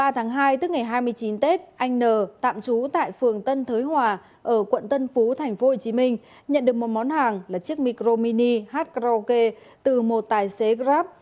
ba tháng hai tức ngày hai mươi chín tết anh n tạm trú tại phường tân thới hòa ở quận tân phú tp hcm nhận được một món hàng là chiếc micro mini h kro k từ một tài xế grab